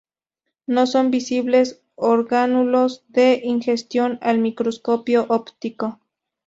No son visibles orgánulos de ingestión al microscopio óptico.